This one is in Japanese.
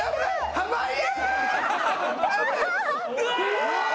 濱家！